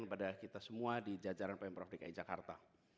kepada kita semua di jajaran pemprov dki jakarta